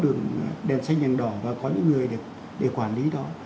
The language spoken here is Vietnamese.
đường đèn xanh đèn đỏ và có những người được để quản lý đó